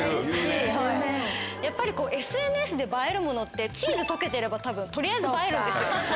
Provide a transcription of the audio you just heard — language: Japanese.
やっぱりＳＮＳで映えるものってチーズ溶けてれば取りあえず映えるんですよ。